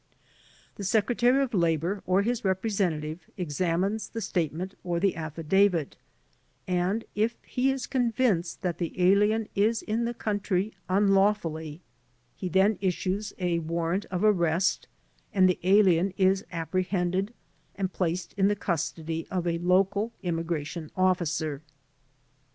The Secretary of Labor or his repre sentative examines the statement or the affidavit, and, if he is convinced that the alien is in the country unlawfully, he then issues a warrant of arrest and the alien is appre hended and placed in the custody of a local immigration officer.